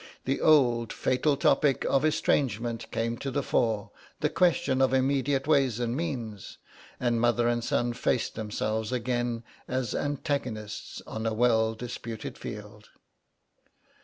The old fatal topic of estrangement came to the fore, the question of immediate ways and means, and mother and son faced themselves again as antagonists on a well disputed field.